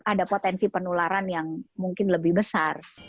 ada potensi penularan yang mungkin lebih besar